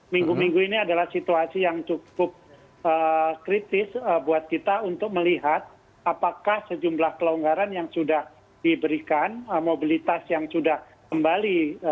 minggu minggu ini adalah situasi yang cukup kritis buat kita untuk melihat apakah sejumlah kelonggaran yang sudah diberikan mobilitas yang sudah kembali